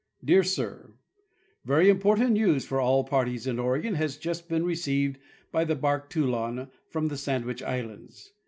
"Dear Str: Very important news for all parties in Oregon has just been received by the bark Toulon from the Sandwich islands.